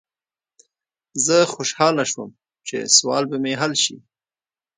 زه خوشحاله شوم چې سوال به مې حل شي.